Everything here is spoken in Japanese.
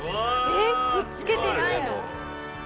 えっくっつけてないの？